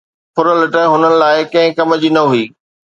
ڦرلٽ هنن لاءِ ڪنهن ڪم جي نه هئي.